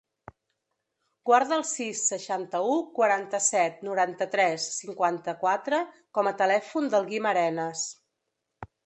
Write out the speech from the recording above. Guarda el sis, seixanta-u, quaranta-set, noranta-tres, cinquanta-quatre com a telèfon del Guim Arenas.